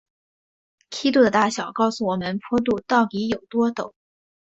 梯度的大小告诉我们坡度到底有多陡。